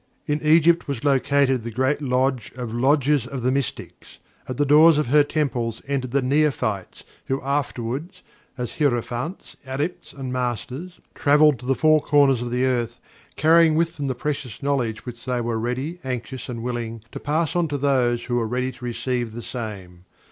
In Egypt was located the Great Lodge of Lodges of the Mystics. At the doors of her Temples entered the Neophytes who afterward, as Hierophants, Adepts, and Masters, traveled to the four corners of the earth, carrying with them the precious knowledge which they were ready, anxious, and willing to pass on to those who were ready to receive the same.